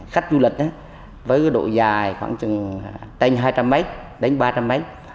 khách du lịch với độ dài khoảng trên hai trăm linh m đến ba trăm linh m